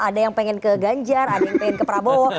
ada yang pengen ke ganjar ada yang pengen ke prabowo